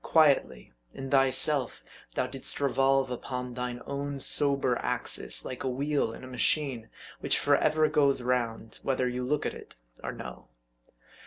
Qui etly, in thyself, thou didst revolve upon thine own sober axis, like a wheel in a machine which forever goes round, whether you look at it or no.